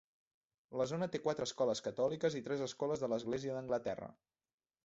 La zona té quatre escoles catòliques i tres escoles de l'Església d'Anglaterra.